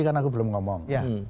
karena aku belum ngomong